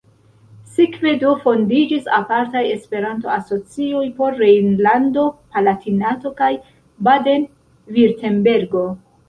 Sekve do fondiĝis apartaj Esperanto-asocioj por Rejnlando-Palatinato kaj Baden-Virtembergo.